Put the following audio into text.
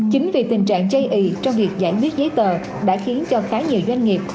chính vì tình trạng chây ý trong việc giải quyết giấy tờ đã khiến cho khá nhiều doanh nghiệp